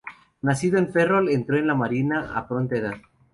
Nacido en Ferrol, entró en la Marina a pronta edad.